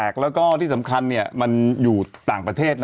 แล้วก็ที่สำคัญมันอยู่ต่างประเทศ